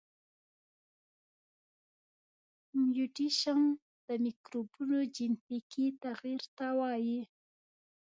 میوټیشن د مکروبونو جنیتیکي تغیر ته وایي.